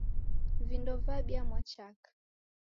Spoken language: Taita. Vindo vabia mwachaka